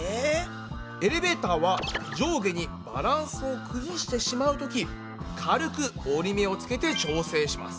エレベータは上下にバランスを崩してしまうとき軽く折り目をつけて調整します。